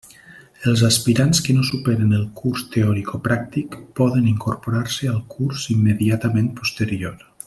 Els aspirants que no superen el curs teoricopràctic poden incorporar-se al curs immediatament posterior.